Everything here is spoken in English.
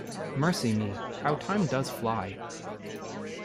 Mercy me, how time does fly!